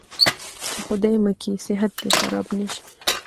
چې خدايه مکې صحت دې خراب نه شي.